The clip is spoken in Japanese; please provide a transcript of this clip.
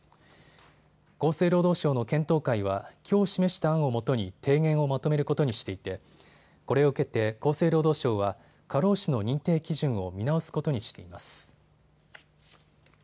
厚生労働省の検討会はきょう示した案をもとに提言をまとめることにしていてこれを受けて厚生労働省は過労死の認定基準を見直すことにしています。